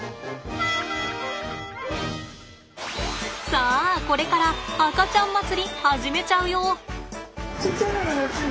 さあこれから赤ちゃん祭り始めちゃうよ！